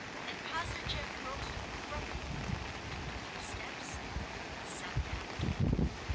And Posdnicheff rose abruptly, took a few steps, and sat down again.